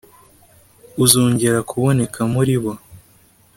uzongera kuboneka muri bo